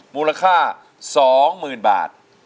มูลค่า๒๐๐๐บาท